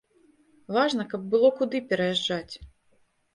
Важна, каб было куды пераязджаць.